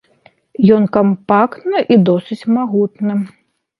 Ён кампактны і досыць магутны.